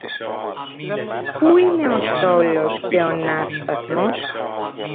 Πού είναι ο στόλος και ο ναύσταθμος;